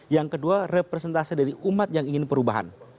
yang kedua representasi dari umat yang ingin perubahan